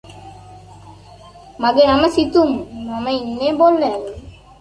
All of the defendants were accused of being associated with the Narodnaya volya.